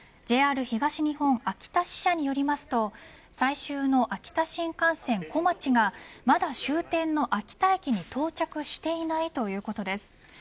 ＪＲ東日本秋田支社によりますと最終の秋田新幹線こまちがまだ終点の秋田駅に到着していないということです。